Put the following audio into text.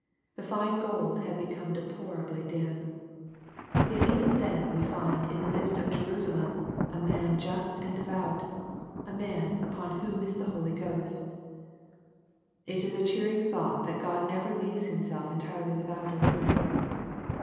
The fine gold had become deplorably dim. Yet even then we find in the midst of Jemsalem a man ^^ just and devout,'' — a man " upon whom is the Holy Ghost." It is a cheering thought that God never leaves Himself entirely without a witness.